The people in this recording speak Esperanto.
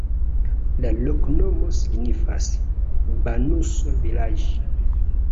La loknomo signifas: banuso-vilaĝ'.